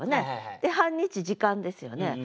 で「半日」時間ですよね。